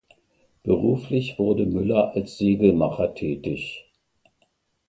Beruflich wurde Müller als Segelmacher tätig.